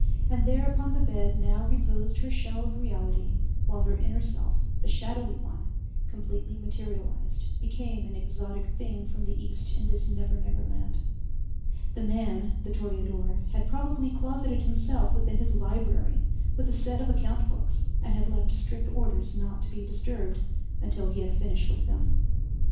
And there upon the bed now reposed her shell of reality while her inner self, the shadowy one, completely materialized, became an exotic thing from the East in this never never land. The man, the toreador, had probably closeted himself within his library with a set of account books and had left strict orders not to be disturbed until he had finished with them.